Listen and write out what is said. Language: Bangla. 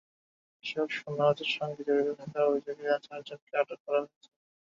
এসব সোনা পাচারের সঙ্গে জড়িত থাকার অভিযোগে চারজনকে আটক করা হয়েছে।